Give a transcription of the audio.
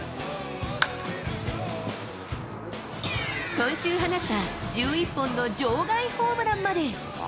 今週放った１１本の場外ホームランまで。